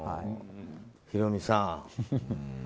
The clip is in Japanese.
ヒロミさん。